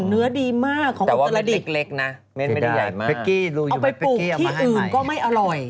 เม็ดไม่ได้ใหญ่มากเฟ็กกี้รู้อยู่ไหมเฟ็กกี้เอามาให้ใหม่เอาไปปลูกที่อื่นก็ไม่อร่อย